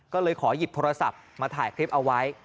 ก็เลยขอหยิบโทรศัพท์มาถ่ายคลิปเอาไว้